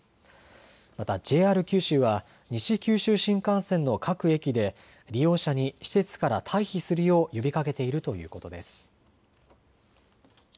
またＪＲ九州は西九州新幹線の各駅で利用者に施設から退避するよう呼びかけているということです。